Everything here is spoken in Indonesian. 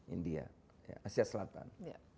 india asia selatan